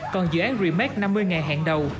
còn dự án remake năm mươi ngày hẹn đầu